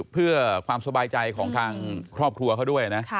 เพื่อความสบายใจของทางครอบครัวเขาด้วยนะ